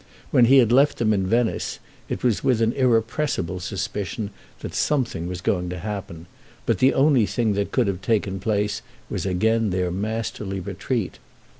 When he had left them in Venice it was with an irrepressible suspicion that something was going to happen; but the only thing that could have taken place was again their masterly retreat.